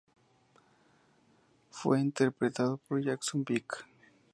Fue interpretado por Jackson Beck.